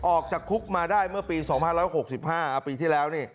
ออกจากคุกมาได้เมื่อปี๒๕๖๕ปีที่แล้วนี่